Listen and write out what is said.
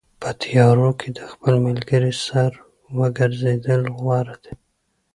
په تیارو کې د خپل ملګري سره ګرځېدل غوره دي.